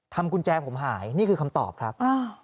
กุญแจผมหายนี่คือคำตอบครับ